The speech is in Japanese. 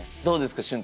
どうですか？